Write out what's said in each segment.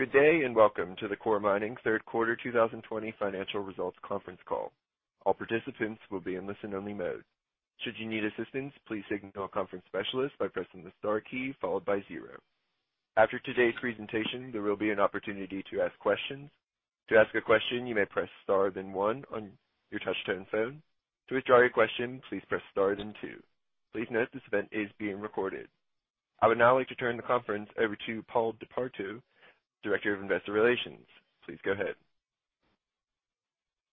I would now like to turn the conference over to Paul DePartout, Director of Investor Relations. Please go ahead.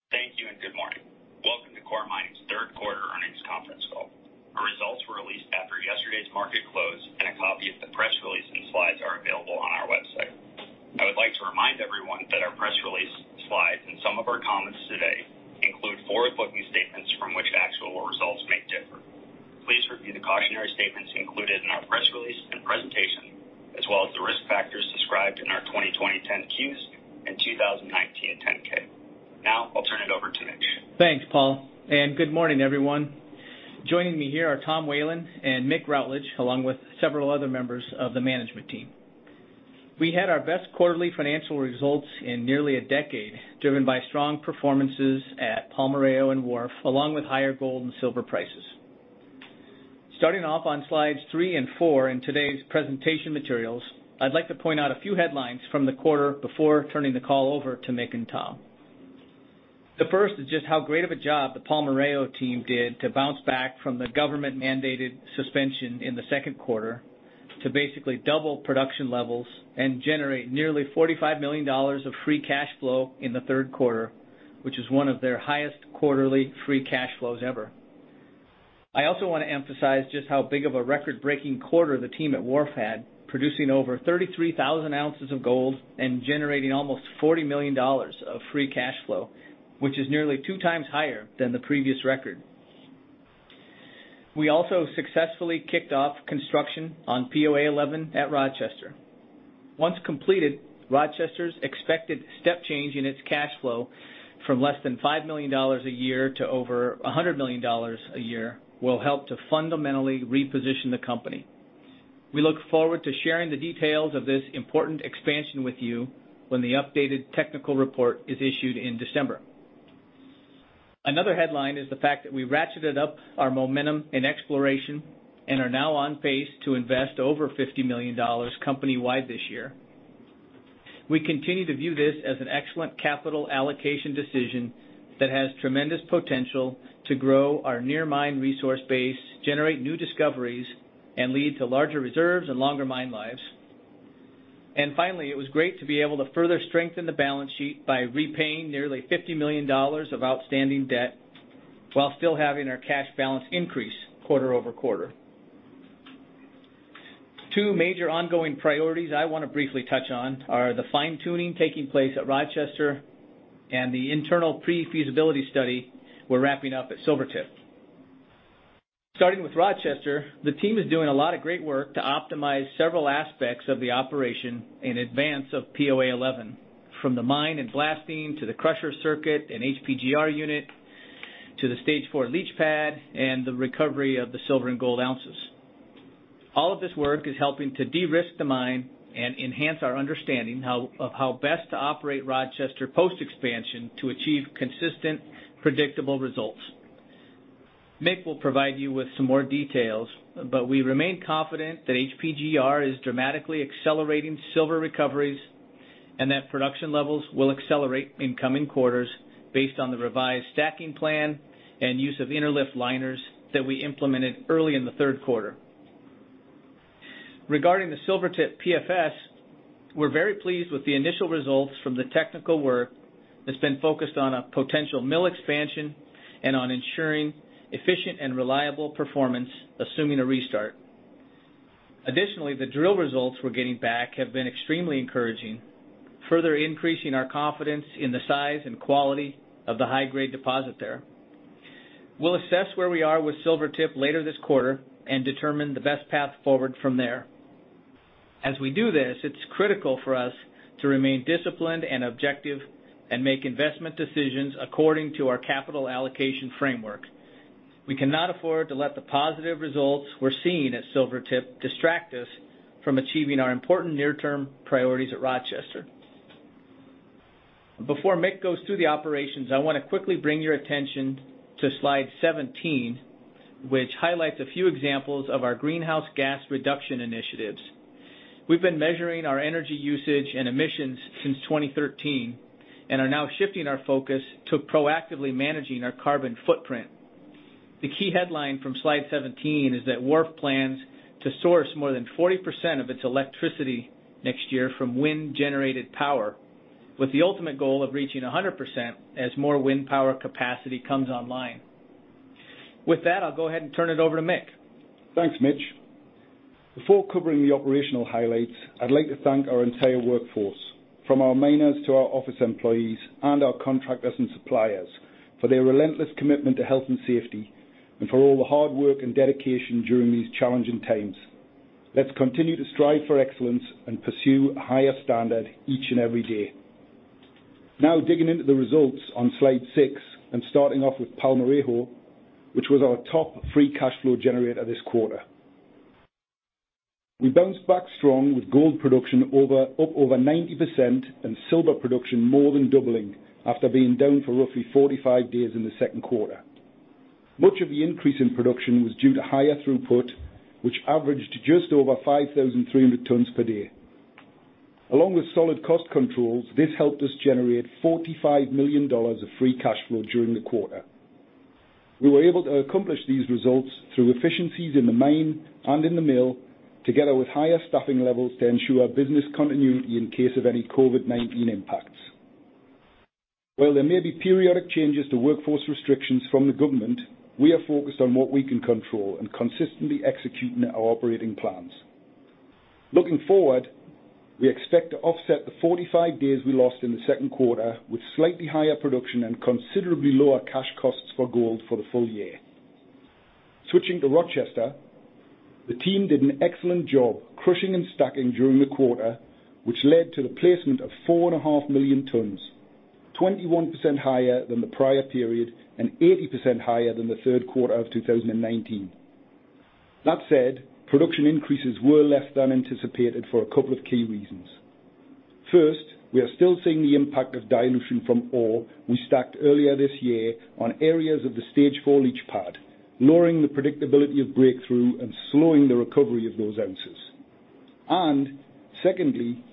Thank you, and good morning. Welcome to Coeur Mining's third quarter earnings conference call. Our results were released after yesterday's market close, and a copy of the press release and slides are available on our website. I would like to remind everyone that our press release, slides, and some of our comments today include forward-looking statements from which actual results may differ. Please review the cautionary statements included in our press release and presentation, as well as the risk factors described in our 2020 10-Qs and 2019 10-K. Now, I'll turn it over to Mitch. Thanks, Paul, good morning, everyone. Joining me here are Tom Whelan and Mick Routledge, along with several other members of the management team. We had our best quarterly financial results in nearly a decade, driven by strong performances at Palmarejo and Wharf, along with higher gold and silver prices. Starting off on slides three and four in today's presentation materials, I'd like to point out a few headlines from the quarter before turning the call over to Mick and Tom. The first is just how great of a job the Palmarejo team did to bounce back from the government-mandated suspension in the second quarter to basically double production levels and generate nearly $45 million of free cash flow in the third quarter, which is one of their highest quarterly free cash flows ever. I also want to emphasize just how big of a record-breaking quarter the team at Wharf had, producing over 33,000 oz of gold and generating almost $40 million of free cash flow, which is nearly two times higher than the previous record. We also successfully kicked off construction on POA 11 at Rochester. Once completed, Rochester's expected step change in its cash flow from less than $5 million a year to over $100 million a year will help to fundamentally reposition the company. We look forward to sharing the details of this important expansion with you when the updated technical report is issued in December. Another headline is the fact that we ratcheted up our momentum in exploration and are now on pace to invest over $50 million company-wide this year. We continue to view this as an excellent capital allocation decision that has tremendous potential to grow our near mine resource base, generate new discoveries, and lead to larger reserves and longer mine lives. Finally, it was great to be able to further strengthen the balance sheet by repaying nearly $50 million of outstanding debt while still having our cash balance increase quarter-over-quarter. Two major ongoing priorities I want to briefly touch on are the fine-tuning taking place at Rochester and the internal pre-feasibility study we're wrapping up at Silvertip. Starting with Rochester, the team is doing a lot of great work to optimize several aspects of the operation in advance of POA 11, from the mine and blasting, to the crusher circuit and HPGR unit, to the stage 4 leach pad, and the recovery of the silver and gold ounces. All of this work is helping to de-risk the mine and enhance our understanding of how best to operate Rochester post-expansion to achieve consistent, predictable results. Mick will provide you with some more details. We remain confident that HPGR is dramatically accelerating silver recoveries and that production levels will accelerate in coming quarters based on the revised stacking plan and use of inter-lift liners that we implemented early in the third quarter. Regarding the Silvertip PFS, we're very pleased with the initial results from the technical work that's been focused on a potential mill expansion and on ensuring efficient and reliable performance, assuming a restart. The drill results we're getting back have been extremely encouraging, further increasing our confidence in the size and quality of the high-grade deposit there. We'll assess where we are with Silvertip later this quarter and determine the best path forward from there. As we do this, it's critical for us to remain disciplined and objective and make investment decisions according to our capital allocation framework. We cannot afford to let the positive results we're seeing at Silvertip distract us from achieving our important near-term priorities at Rochester. Before Mick goes through the operations, I want to quickly bring your attention to slide 17, which highlights a few examples of our greenhouse gas reduction initiatives. We've been measuring our energy usage and emissions since 2013 and are now shifting our focus to proactively managing our carbon footprint. The key headline from slide 17 is that Wharf plans to source more than 40% of its electricity next year from wind-generated power, with the ultimate goal of reaching 100% as more wind power capacity comes online. With that, I'll go ahead and turn it over to Mick. Thanks, Mitch. Before covering the operational highlights, I'd like to thank our entire workforce, from our miners to our office employees and our contractors and suppliers, for their relentless commitment to health and safety and for all the hard work and dedication during these challenging times. Let's continue to strive for excellence and pursue a higher standard each and every day. Now digging into the results on slide six and starting off with Palmarejo, which was our top free cash flow generator this quarter. We bounced back strong with gold production up over 90% and silver production more than doubling after being down for roughly 45 days in the second quarter. Much of the increase in production was due to higher throughput, which averaged just over 5,300 tons per day. Along with solid cost controls, this helped us generate $45 million of free cash flow during the quarter. We were able to accomplish these results through efficiencies in the mine and in the mill, together with higher staffing levels to ensure business continuity in case of any COVID-19 impacts. While there may be periodic changes to workforce restrictions from the government, we are focused on what we can control and consistently executing our operating plans. Looking forward, we expect to offset the 45 days we lost in the second quarter with slightly higher production and considerably lower cash costs for gold for the full year. Switching to Rochester, the team did an excellent job crushing and stacking during the quarter, which led to the placement of 4.5 million tons, 21% higher than the prior period and 80% higher than the third quarter of 2019. That said, production increases were less than anticipated for a couple of key reasons. First, we are still seeing the impact of dilution from ore we stacked earlier this year on areas of the stage 4 leach pad, lowering the predictability of breakthrough and slowing the recovery of those ounces. Secondly,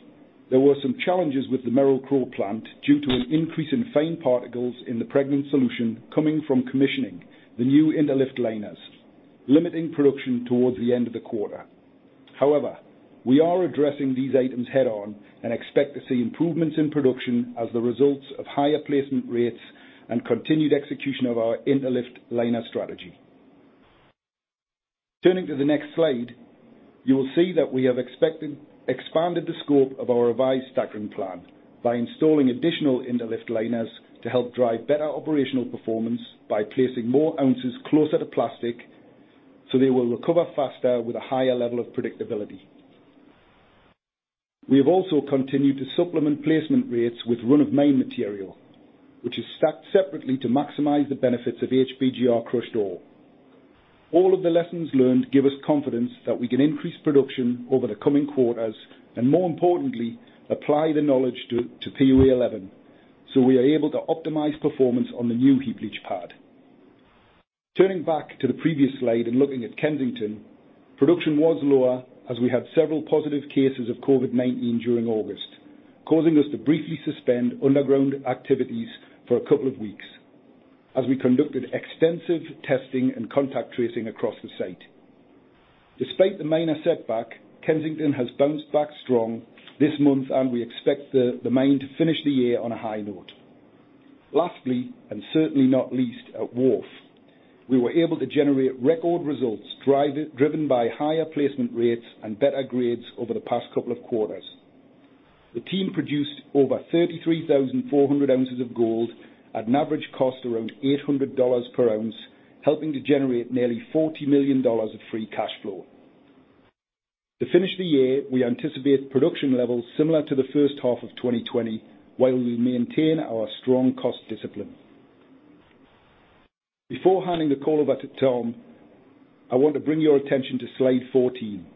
there were some challenges with the Merrill-Crowe plant due to an increase in fine particles in the pregnant solution coming from commissioning the new inter-lift liners, limiting production towards the end of the quarter. However, we are addressing these items head-on and expect to see improvements in production as the results of higher placement rates and continued execution of our inter-lift liner strategy. Turning to the next slide, you will see that we have expanded the scope of our revised stacking plan by installing additional inter-lift liners to help drive better operational performance by placing more ounces closer to plastic, so they will recover faster with a higher level of predictability. We have also continued to supplement placement rates with run-of-mine material, which is stacked separately to maximize the benefits of HPGR crushed ore. All of the lessons learned give us confidence that we can increase production over the coming quarters, and more importantly, apply the knowledge to POA 11 so we are able to optimize performance on the new heap leach pad. Turning back to the previous slide and looking at Kensington, production was lower as we had several positive cases of COVID-19 during August, causing us to briefly suspend underground activities for a couple of weeks as we conducted extensive testing and contact tracing across the site. Despite the minor setback, Kensington has bounced back strong this month, and we expect the mine to finish the year on a high note. Lastly, and certainly not least, at Wharf, we were able to generate record results driven by higher placement rates and better grades over the past couple of quarters. The team produced over 33,400 oz of gold at an average cost around $800 per ounce, helping to generate nearly $40 million of free cash flow. To finish the year, we anticipate production levels similar to the first half of 2020, while we maintain our strong cost discipline. Before handing the call over to Tom, I want to bring your attention to slide 14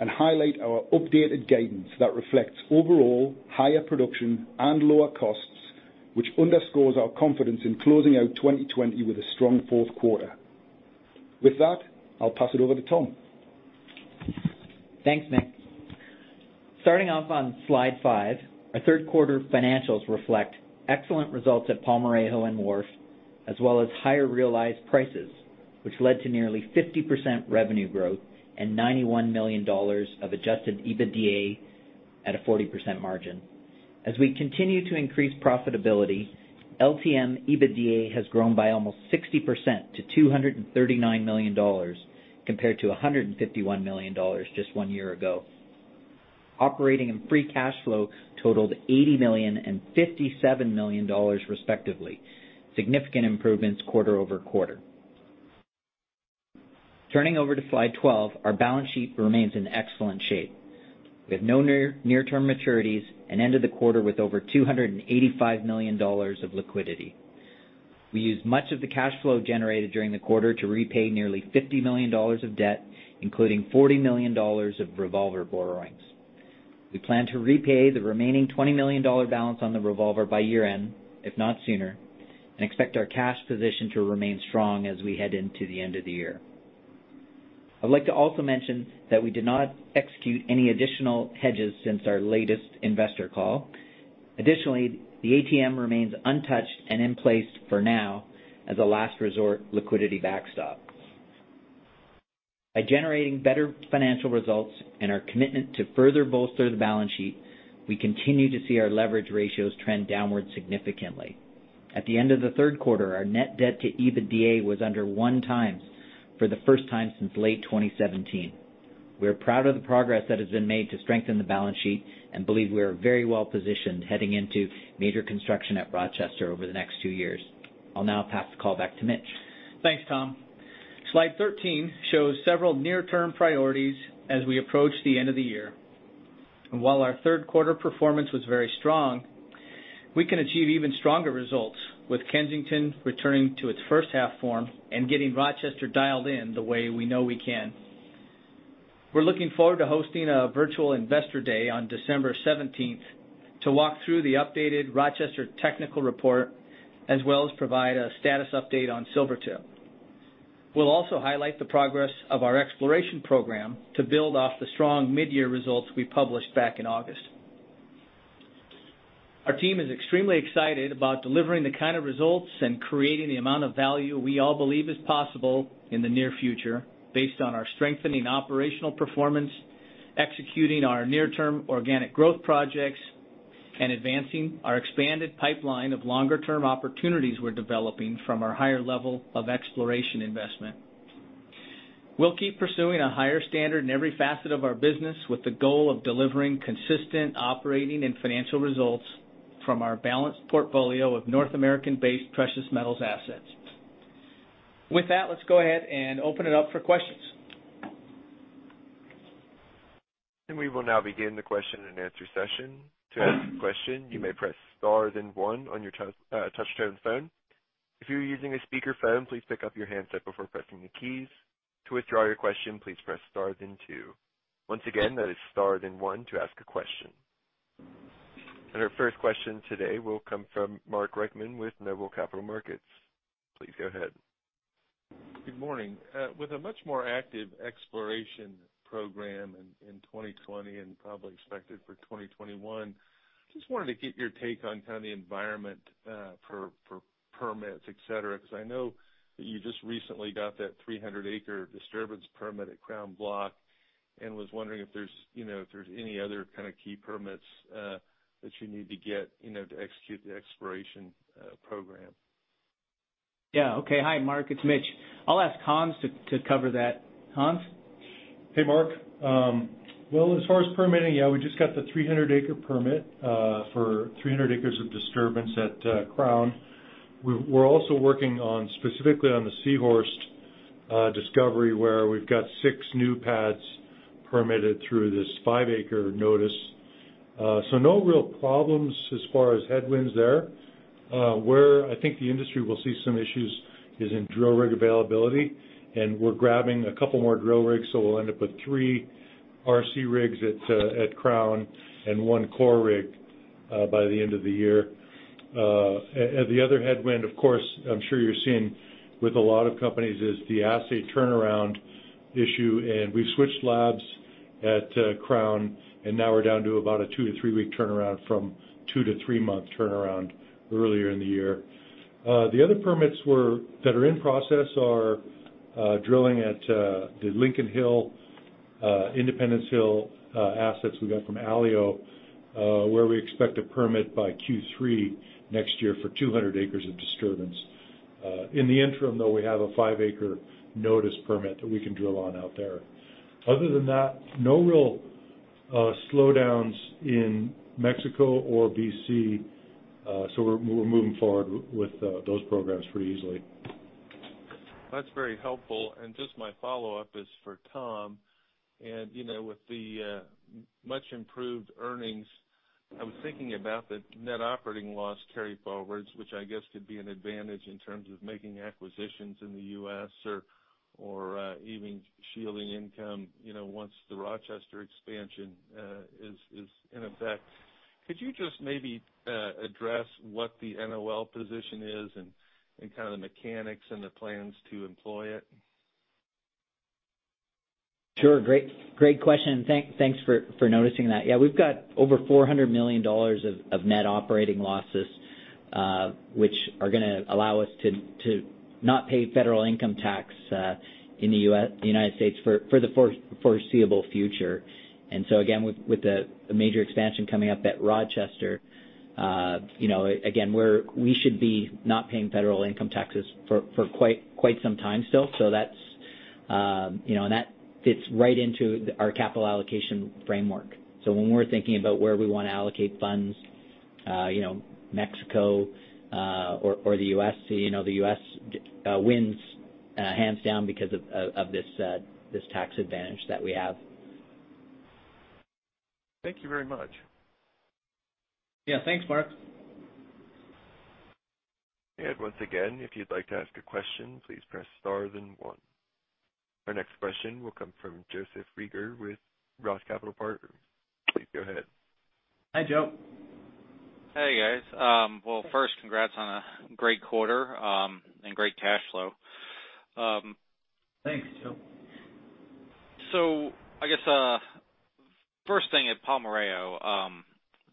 and highlight our updated guidance that reflects overall higher production and lower costs, which underscores our confidence in closing out 2020 with a strong fourth quarter. With that, I'll pass it over to Tom. Thanks, Mick. Starting off on slide five, our third quarter financials reflect excellent results at Palmarejo and Wharf, as well as higher realized prices, which led to nearly 50% revenue growth and $91 million of adjusted EBITDA at a 40% margin. As we continue to increase profitability, LTM EBITDA has grown by almost 60% to $239 million compared to $151 million just one year ago. Operating and free cash flow totaled $80 million and $57 million respectively, significant improvements quarter-over-quarter. Turning over to slide 12, our balance sheet remains in excellent shape. We have no near-term maturities and ended the quarter with over $285 million of liquidity. We used much of the cash flow generated during the quarter to repay nearly $50 million of debt, including $40 million of revolver borrowings. We plan to repay the remaining $20 million balance on the revolver by year-end, if not sooner, and expect our cash position to remain strong as we head into the end of the year. I'd like to also mention that we did not execute any additional hedges since our latest investor call. Additionally, the ATM remains untouched and in place for now as a last resort liquidity backstop. By generating better financial results and our commitment to further bolster the balance sheet, we continue to see our leverage ratios trend downward significantly. At the end of the third quarter, our net debt to EBITDA was under 1x for the first time since late 2017. We're proud of the progress that has been made to strengthen the balance sheet and believe we are very well positioned heading into major construction at Rochester over the next two years. I'll now pass the call back to Mitch. Thanks, Tom. Slide 13 shows several near-term priorities as we approach the end of the year. While our third quarter performance was very strong, we can achieve even stronger results with Kensington returning to its first-half form and getting Rochester dialed in the way we know we can. We're looking forward to hosting a virtual Investor Day on December 17th to walk through the updated Rochester technical report, as well as provide a status update on Silvertip. We'll also highlight the progress of our exploration program to build off the strong mid-year results we published back in August. Our team is extremely excited about delivering the kind of results and creating the amount of value we all believe is possible in the near future, based on our strengthening operational performance, executing our near-term organic growth projects, and advancing our expanded pipeline of longer-term opportunities we're developing from our higher level of exploration investment. We'll keep pursuing a higher standard in every facet of our business, with the goal of delivering consistent operating and financial results from our balanced portfolio of North American-based precious metals assets. With that, let's go ahead and open it up for questions. We will now begin the question and answer session. To ask a question you may press star then one on your touch-tone telephone. If you are using a speaker phone please pick up your handset before pressing the keys. To withdraw your question please press star then two. Once again it is star then one to ask a question. Our first question today will come from Mark Reichman with Noble Capital Markets. Please go ahead. Good morning. With a much more active exploration program in 2020 and probably expected for 2021, just wanted to get your take on the environment for permits, et cetera, because I know that you just recently got that 300-acre disturbance permit at Crown Block, and was wondering if there's any other key permits that you need to get to execute the exploration program. Yeah. Okay. Hi, Mark, it's Mitch. I'll ask Hans to cover that. Hans? Hey, Mark. Well, as far as permitting, yeah, we just got the 300-acre permit for 300 acres of disturbance at Crown. We're also working specifically on the C-Horst discovery, where we've got six new pads permitted through this 5-acre notice. No real problems as far as headwinds there. Where I think the industry will see some issues is in drill rig availability, and we're grabbing a couple more drill rigs, so we'll end up with three RC rigs at Crown and one core rig by the end of the year. The other headwind, of course, I'm sure you're seeing with a lot of companies, is the assay turnaround issue, and we've switched labs at Crown, and now we're down to about a two- to three-week turnaround from two- to three-month turnaround earlier in the year. The other permits that are in process are drilling at the Lincoln Hill, Independence Hill assets we got from Alio, where we expect a permit by Q3 next year for 200 acres of disturbance. In the interim, though, we have a 5-acre notice permit that we can drill on out there. Other than that, no real slowdowns in Mexico or B.C. We're moving forward with those programs pretty easily. That's very helpful. Just my follow-up is for Tom. With the much improved earnings, I was thinking about the net operating loss carryforwards, which I guess could be an advantage in terms of making acquisitions in the U.S. or even shielding income, once the Rochester expansion is in effect. Could you just maybe address what the NOL position is and the mechanics and the plans to employ it? Sure. Great question, and thanks for noticing that. Yeah, we've got over $400 million of net operating losses, which are going to allow us to not pay federal income tax in the United States for the foreseeable future. So again, with the major expansion coming up at Rochester, we should be not paying federal income taxes for quite some time still. That fits right into our capital allocation framework. When we're thinking about where we want to allocate funds, Mexico or the U.S., the U.S. wins hands down because of this tax advantage that we have. Thank you very much. Yeah. Thanks, Mark. Once again, if you'd like to ask a question, please press star then one. Our next question will come from Joseph Reagor with Roth Capital Partners. Please go ahead. Hi, Joe. Hey, guys. Well, first, congrats on a great quarter and great cash flow. Thanks, Joe. I guess, first thing at Palmarejo,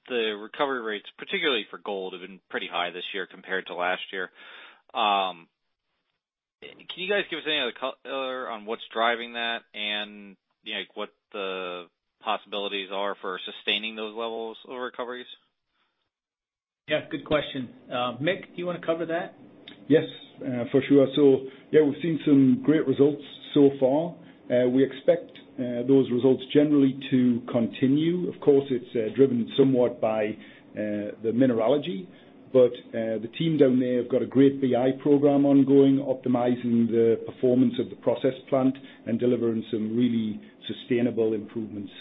the recovery rates, particularly for gold, have been pretty high this year compared to last year. Can you guys give us any other color on what's driving that and what the possibilities are for sustaining those levels of recoveries? Yeah, good question. Mick, do you want to cover that? Yes, for sure. Yeah, we've seen some great results So far, we expect those results generally to continue. Of course, it's driven somewhat by the mineralogy, but the team down there have got a great BI program ongoing, optimizing the performance of the process plant and delivering some really sustainable improvements.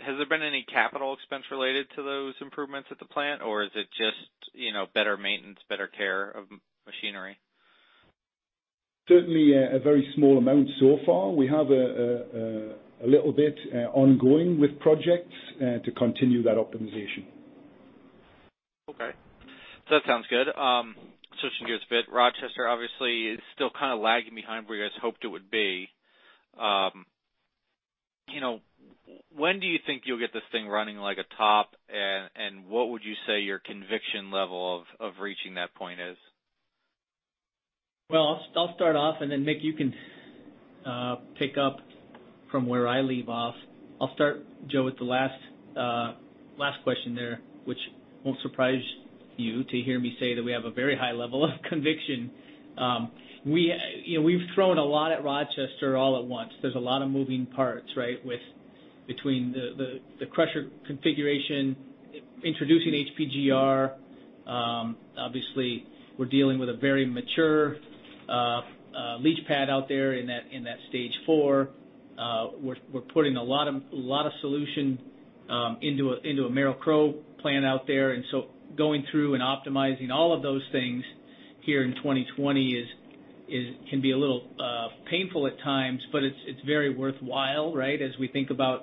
Has there been any capital expense related to those improvements at the plant, or is it just better maintenance, better care of machinery? Certainly, a very small amount so far. We have a little bit ongoing with projects to continue that optimization. Okay. That sounds good. Switching gears a bit, Rochester obviously is still kind of lagging behind where you guys hoped it would be. When do you think you'll get this thing running like a top, and what would you say your conviction level of reaching that point is? I'll start off and then Mick, you can pick up from where I leave off. I'll start, Joe, with the last question there, which won't surprise you to hear me say that we have a very high level of conviction. We've thrown a lot at Rochester all at once. There's a lot of moving parts, between the crusher configuration, introducing HPGR. Obviously, we're dealing with a very mature leach pad out there in that stage 4. We're putting a lot of solution into a Merrill-Crowe plant out there. Going through and optimizing all of those things here in 2020 can be a little painful at times, but it's very worthwhile. As we think about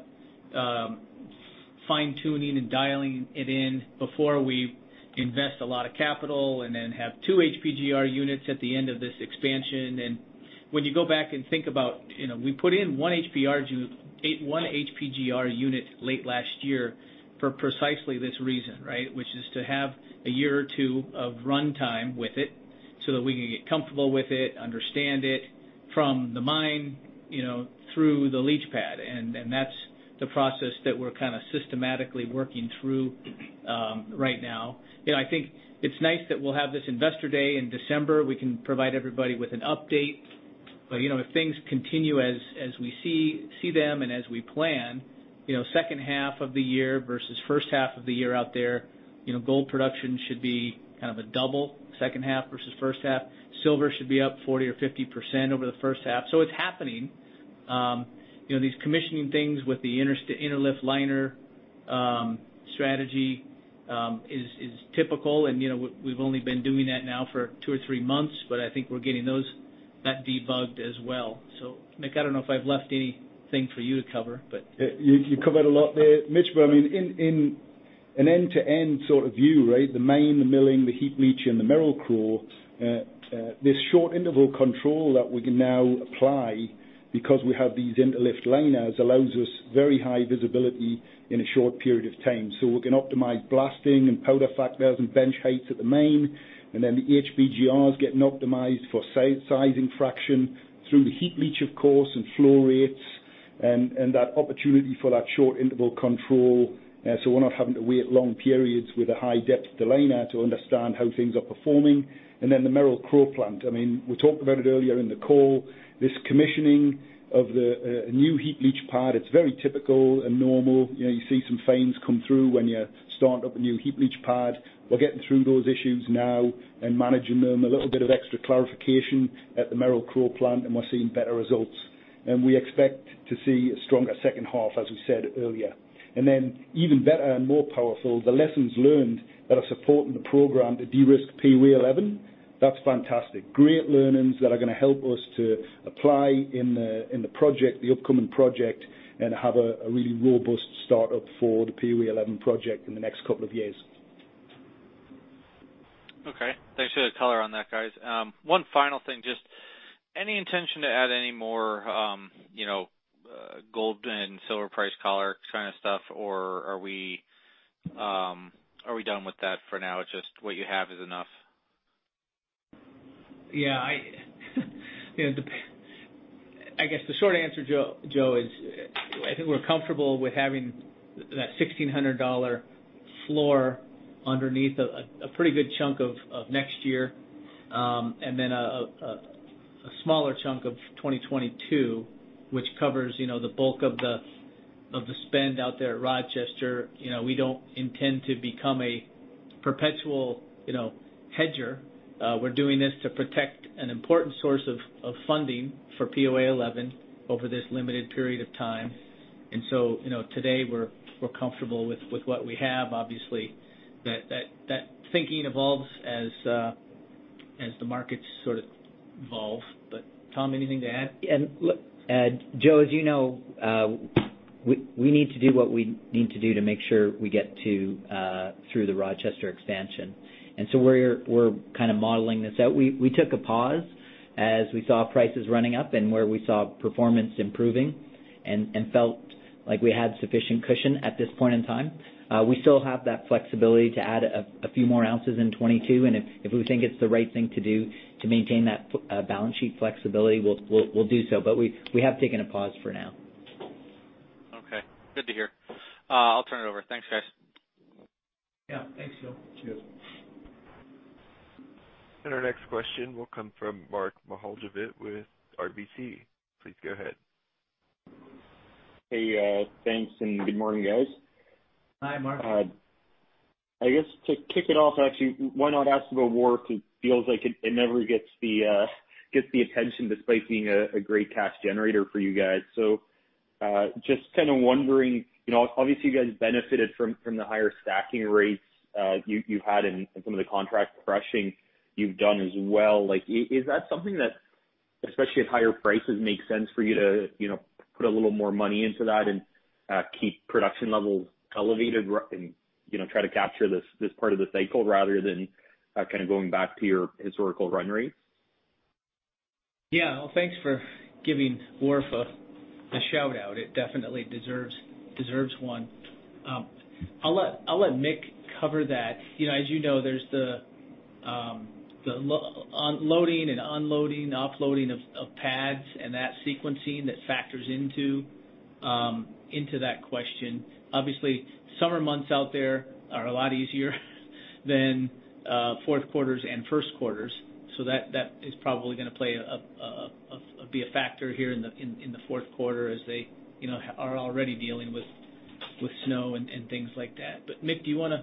fine tuning and dialing it in before we invest a lot of capital and then have two HPGR units at the end of this expansion. When you go back and think about, we put in one HPGR unit late last year for precisely this reason. Which is to have a year or two of runtime with it so that we can get comfortable with it, understand it from the mine, through the leach pad. That's the process that we're kind of systematically working through right now. I think it's nice that we'll have this Investor Day in December. We can provide everybody with an update, but if things continue as we see them and as we plan, second half of the year versus first half of the year out there, gold production should be kind of a double second half versus first half. silver should be up 40% or 50% over the first half. It's happening. These commissioning things with the inter-lift liner strategy is typical and we've only been doing that now for two or three months, but I think we're getting that debugged as well. Mick, I don't know if I've left anything for you to cover. You covered a lot there, Mitch. In an end to end sort of view, the mine, the milling, the heap leach and the Merrill-Crowe, this short interval control that we can now apply because we have these inter-lift liners, allows us very high visibility in a short period of time. We can optimize blasting and powder factors and bench heights at the mine, and then the HPGRs getting optimized for sizing fraction through the heap leach of course, and flow rates and that opportunity for that short interval control. We're not having to wait long periods with a high depth to liner to understand how things are performing. The Merrill-Crowe plant, we talked about it earlier in the call, this commissioning of the new heap leach pad, it's very typical and normal. You see some fines come through when you start up a new heap leach pad. We're getting through those issues now and managing them. A little bit of extra clarification at the Merrill-Crowe plant. We're seeing better results. We expect to see a stronger second half, as we said earlier. Then even better and more powerful, the lessons learned that are supporting the program to de-risk POA 11, that's fantastic. Great learnings that are going to help us to apply in the upcoming project and have a really robust start-up for the POA 11 project in the next couple of years. Okay. Thanks for the color on that, guys. One final thing, just any intention to add any more gold and silver price collar kind of stuff, or are we done with that for now? It's just what you have is enough. Yeah. I guess the short answer, Joe, is I think we're comfortable with having that $1,600 floor underneath a pretty good chunk of next year, and then a smaller chunk of 2022, which covers the bulk of the spend out there at Rochester. We don't intend to become a perpetual hedger. We're doing this to protect an important source of funding for POA 11 over this limited period of time. Today, we're comfortable with what we have. Obviously, that thinking evolves as the markets sort of evolve, but Tom, anything to add? Joe, as you know, we need to do what we need to do to make sure we get through the Rochester expansion. We're kind of modeling this out. We took a pause as we saw prices running up and where we saw performance improving and felt like we had sufficient cushion at this point in time. We still have that flexibility to add a few more ounces in 2022, and if we think it's the right thing to do to maintain that balance sheet flexibility, we'll do so. We have taken a pause for now. Okay, good to hear. I'll turn it over. Thanks, guys. Yeah. Thanks, Joe. Cheers. Our next question will come from Mark Mihaljevic with RBC. Please go ahead. Hey, thanks, and good morning, guys. Hi, Mark. I guess to kick it off, actually, why not ask about Wharf? It feels like it never gets the attention despite being a great cash generator for you guys. Just kind of wondering, obviously, you guys benefited from the higher stacking rates you've had and some of the contract crushing you've done as well. Is that something that, especially at higher prices, makes sense for you to put a little more money into that and keep production levels elevated and try to capture this part of the cycle rather than going back to your historical run rates? Yeah. Well, thanks for giving Wharf a shout-out. It definitely deserves one. I'll let Mick cover that. As you know, there's the loading and unloading, offloading of pads and that sequencing that factors into that question. Obviously, summer months out there are a lot easier than fourth quarters and first quarters, so that is probably going to be a factor here in the fourth quarter as they are already dealing with snow and things like that. Mick, do you want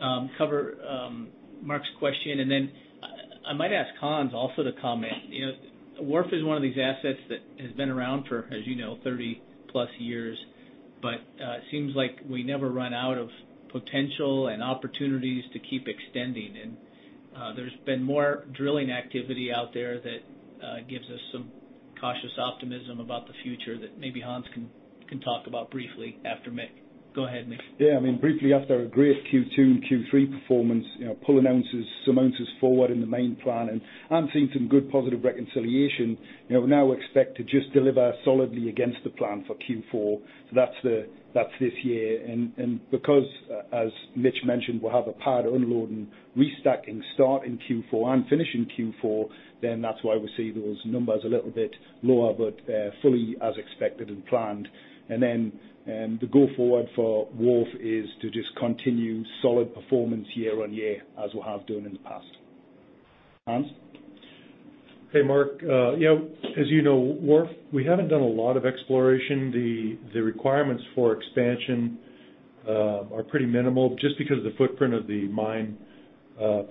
to cover Mark's question? Then I might ask Hans also to comment. Wharf is one of these assets that has been around for, as you know, 30+ years, but it seems like we never run out of potential and opportunities to keep extending. There's been more drilling activity out there that gives us some cautious optimism about the future that maybe Hans can talk about briefly after Mick. Go ahead, Mick. Yeah. Briefly after a great Q2 and Q3 performance, pulling some ounces forward in the mine plan, and I'm seeing some good positive reconciliation. We now expect to just deliver solidly against the plan for Q4. That's this year. Because, as Mitch mentioned, we'll have a pad unloading, restacking start in Q4 and finish in Q4, then that's why we see those numbers a little bit lower, but they're fully as expected and planned. The go forward for Wharf is to just continue solid performance year-on-year, as we have done in the past. Hans? Hey, Mark. As you know, Wharf, we haven't done a lot of exploration. The requirements for expansion are pretty minimal, just because of the footprint of the mine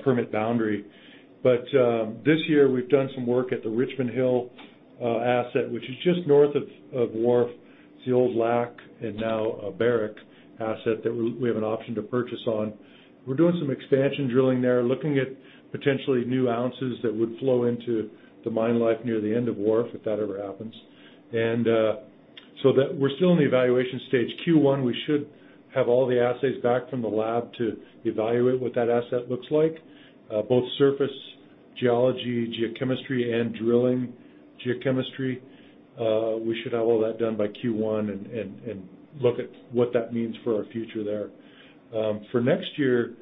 permit boundary. This year, we've done some work at the Richmond Hill asset, which is just north of Wharf. It's the old LAC and now Barrick asset that we have an option to purchase on. We're doing some expansion drilling there, looking at potentially new ounces that would flow into the mine life near the end of Wharf, if that ever happens. We're still in the evaluation stage. Q1, we should have all the assays back from the lab to evaluate what that asset looks like, both surface geology, geochemistry, and drilling geochemistry. We should have all that done by Q1 and look at what that means for our future there. For next year,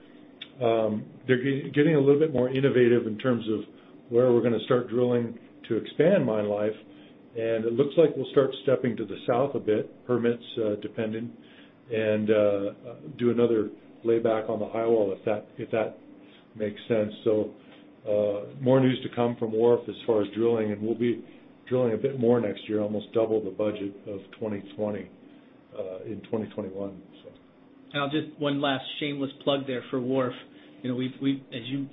they're getting a little bit more innovative in terms of where we're going to start drilling to expand mine life. It looks like we'll start stepping to the south a bit, permits depending, and do another layback on the high wall, if that makes sense. More news to come from Wharf as far as drilling, and we'll be drilling a bit more next year, almost double the budget of 2020 in 2021. I'll just, one last shameless plug there for Wharf. As you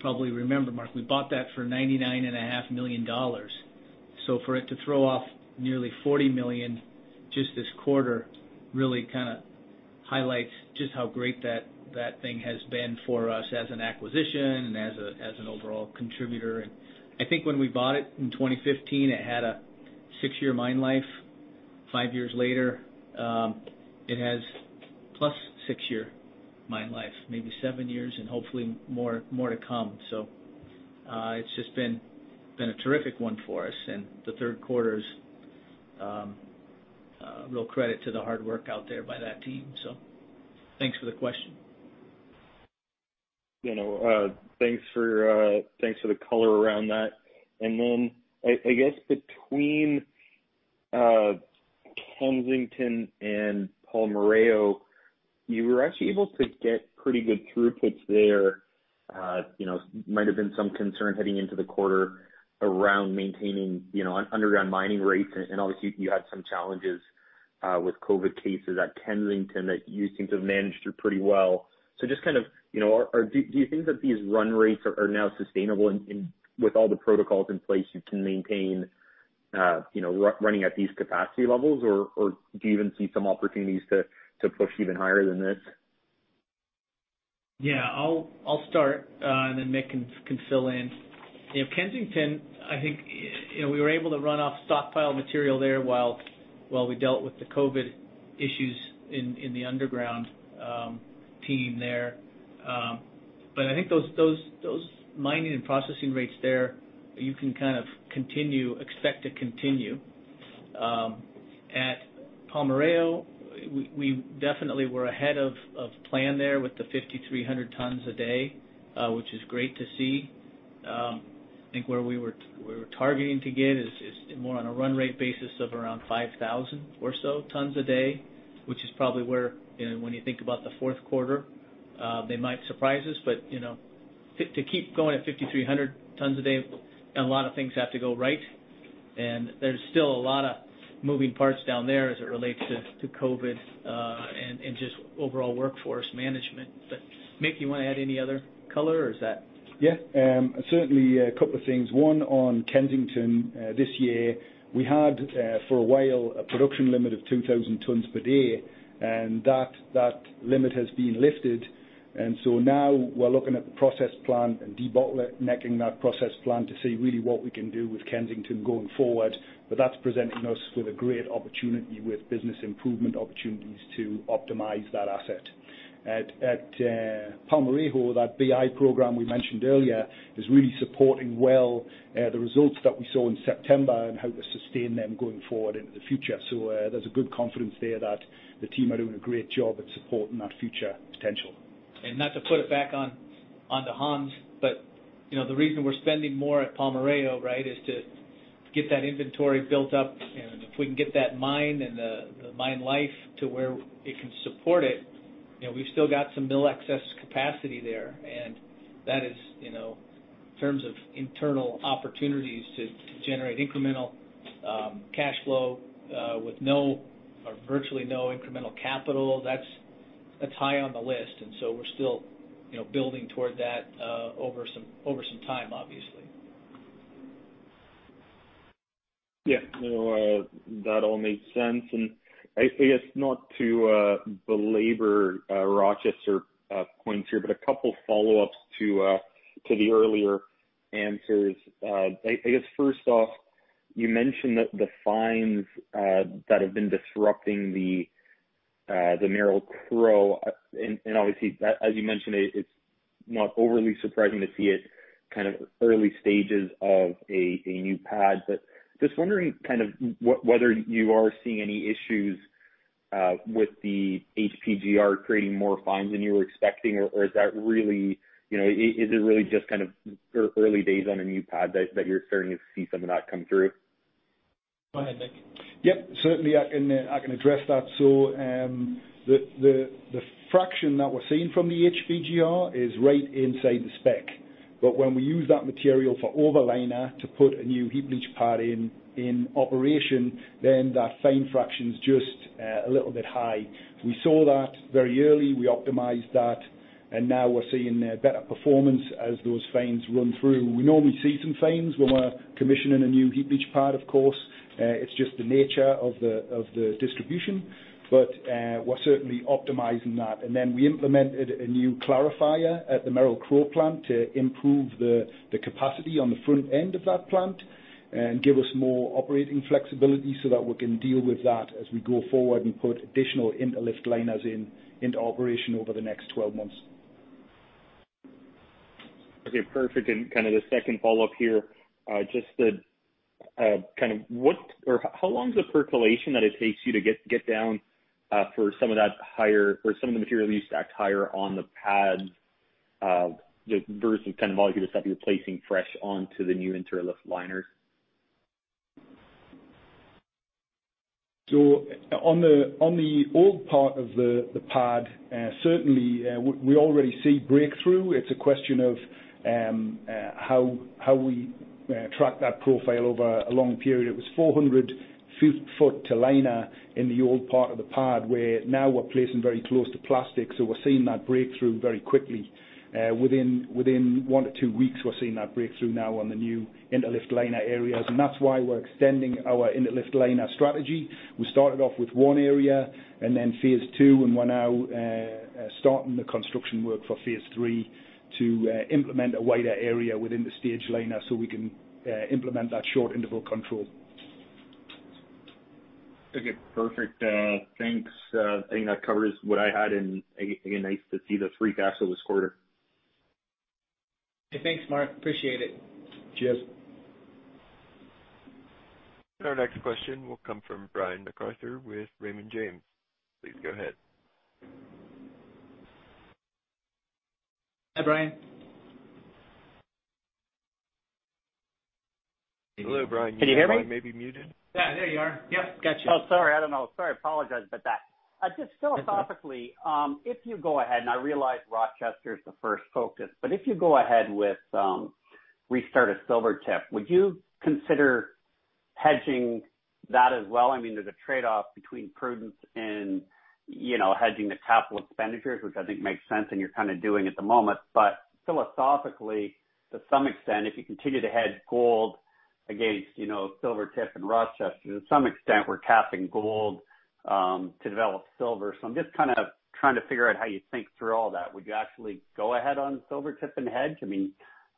probably remember, Mark, we bought that for $99.5 million. For it to throw off nearly $40 million just this quarter really kind of highlights just how great that thing has been for us as an acquisition and as an overall contributor. I think when we bought it in 2015, it had a six-year mine life. Five years later, it has plus six-year mine life, maybe seven years and hopefully more to come. It's just been a terrific one for us and the third quarter's a real credit to the hard work out there by that team. Thanks for the question. Thanks for the color around that. I guess between Kensington and Palmarejo, you were actually able to get pretty good through-puts there. Might have been some concern heading into the quarter around maintaining underground mining rates, and obviously you had some challenges with COVID cases at Kensington that you seem to have managed through pretty well. Just kind of, do you think that these run rates are now sustainable and with all the protocols in place, you can maintain running at these capacity levels? Or do you even see some opportunities to push even higher than this? Yeah. I'll start, and then Mick can fill in. Kensington, I think we were able to run off stockpile material there while we dealt with the COVID issues in the underground team there. I think those mining and processing rates there, you can kind of expect to continue. At Palmarejo, we definitely were ahead of plan there with the 5,300 tons a day, which is great to see. I think where we were targeting to get is more on a run rate basis of around 5,000 or so tons a day, which is probably where, when you think about the fourth quarter, they might surprise us, but to keep going at 5,300 tons a day, a lot of things have to go right, and there's still a lot of moving parts down there as it relates to COVID and just overall workforce management. Mick, you want to add any other color or is that? Yeah. Certainly, a couple of things. One, on Kensington this year, we had, for a while, a production limit of 2,000 tons per day. That limit has been lifted. Now we're looking at the process plan and debottlenecking that process plan to see really what we can do with Kensington going forward. That's presenting us with a great opportunity with business improvement opportunities to optimize that asset. At Palmarejo, that BI Program we mentioned earlier is really supporting well the results that we saw in September and how to sustain them going forward into the future. There's a good confidence there that the team are doing a great job at supporting that future potential. Not to put it back onto Hans, but the reason we're spending more at Palmarejo is to get that inventory built up, and if we can get that mine and the mine life to where it can support it, we've still got some mill excess capacity there, and that is, in terms of internal opportunities to generate incremental cash flow with no or virtually no incremental capital, that's high on the list. We're still building toward that over some time, obviously. Yeah. No, that all makes sense. I guess not to belabor Rochester points here, but a couple follow-ups to the earlier answers. I guess first off, you mentioned that the fines that have been disrupting the Merrill-Crowe, and obviously, as you mentioned, it's not overly surprising to see it kind of early stages of a new pad, but just wondering kind of whether you are seeing any issues with the HPGR creating more fines than you were expecting, or is it really just kind of early days on a new pad that you're starting to see some of that come through? Go ahead, Mick. Yep. Certainly, I can address that. The fraction that we're seeing from the HPGR is right inside the spec. When we use that material for overliner to put a new heap leach pad in operation, then that fine fraction's just a little bit high. We saw that very early. We optimized that, and now we're seeing better performance as those fines run through. We normally see some fines when we're commissioning a new heap leach pad, of course. It's just the nature of the distribution. We're certainly optimizing that. We implemented a new clarifier at the Merrill-Crowe plant to improve the capacity on the front end of that plant and give us more operating flexibility so that we can deal with that as we go forward and put additional inter-lift liners into operation over the next 12 months. Okay, perfect. Kind of the second follow-up here, just how long is the percolation that it takes you to get down for some of the material you stacked higher on the pad versus kind of all the stuff you're placing fresh onto the new inter-lift liners? On the old part of the pad, certainly, we already see breakthrough. It's a question of how we track that profile over a long period. It was 400-ft to liner in the old part of the pad, where now we're placing very close to plastic, so we're seeing that breakthrough very quickly. Within one to two weeks, we're seeing that breakthrough now on the new inter-lift liner areas, and that's why we're extending our inter-lift liner strategy. We started off with one area and then phase 2, and we're now starting the construction work for phase 3 to implement a wider area within the stage liner so we can implement that short interval control. Okay, perfect. Thanks. I think that covers what I had, and again, nice to see the free cash flow this quarter. Hey, thanks, Mark. Appreciate it. Cheers. Our next question will come from Brian MacArthur with Raymond James. Please go ahead. Hi, Brian. Hello, Brian. Can you hear me? Your line may be muted. Yeah, there you are. Yep, got you. Oh, sorry. I don't know. Sorry, apologize about that. It's okay. Just philosophically, if you go ahead, and I realize Rochester is the first focus, but if you go ahead with restart of Silvertip, would you consider hedging that as well? There's a trade-off between prudence and hedging the capital expenditures, which I think makes sense and you're kind of doing at the moment. Philosophically, to some extent, if you continue to hedge gold against Silvertip and Rochester, to some extent we're capping gold to develop silver. I'm just kind of trying to figure out how you think through all that. Would you actually go ahead on Silvertip and hedge?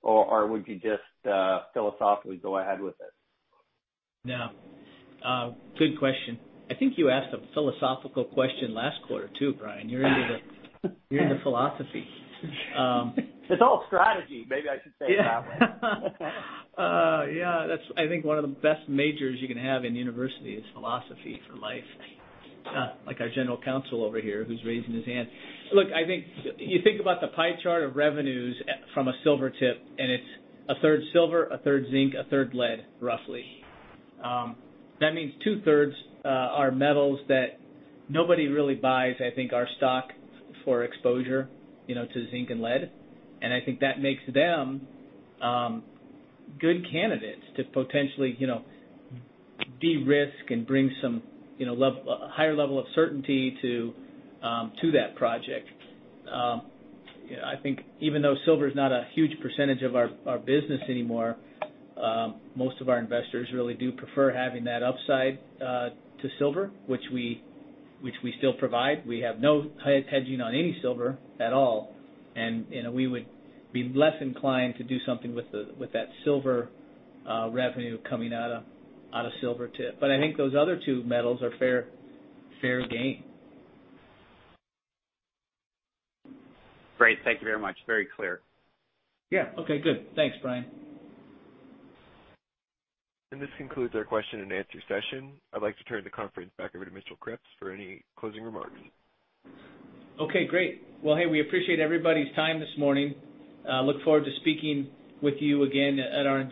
Or would you just philosophically go ahead with it? No. Good question. I think you asked a philosophical question last quarter, too, Brian. You're into philosophy. It's all strategy. Maybe I should say it that way. Yeah. That's, I think, one of the best majors you can have in university is philosophy for life. Our General Counsel over here who's raising his hand. Look, you think about the pie chart of revenues from a Silvertip, and it's a third silver, a third zinc, a third lead, roughly. That means two-thirds are metals that nobody really buys, I think, our stock for exposure to zinc and lead, and I think that makes them good candidates to potentially de-risk and bring some higher level of certainty to that project. I think even though silver is not a huge percentage of our business anymore, most of our investors really do prefer having that upside to silver, which we still provide. We have no hedging on any silver at all, and we would be less inclined to do something with that silver revenue coming out of Silvertip. I think those other two metals are fair game. Great. Thank you very much. Very clear. Yeah. Okay, good. Thanks, Brian. This concludes our question and answer session. I'd like to turn the conference back over to Mitchell Krebs for any closing remarks. Okay, great. Well, hey, we appreciate everybody's time this morning. Look forward to speaking with you again at our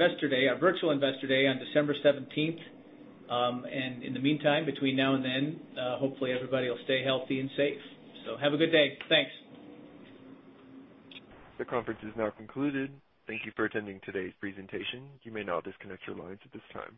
virtual Investor Day on December 17th. In the meantime, between now and then, hopefully everybody will stay healthy and safe. Have a good day. Thanks. The conference is now concluded. Thank you for attending today's presentation. You may now disconnect your lines at this time.